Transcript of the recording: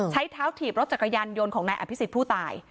ใช้เท้าถีบรถจักรยานยนต์ของนายอภิษฎผู้ตาย